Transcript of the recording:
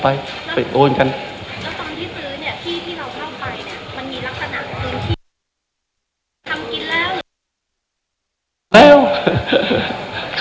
แล้วตอนที่ซื้อเนี่ยที่ที่เราเข้าไปมันมีลักษณะ